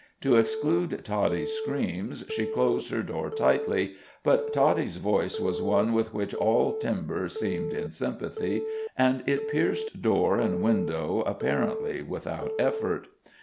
To exclude Toddie's screams she closed her door tightly, but Toddie's voice was one with which all timber seemed in sympathy, and it pierced door and window apparently without effort.